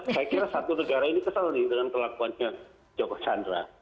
saya kira satu negara ini kesal nih dengan kelakuannya joko chandra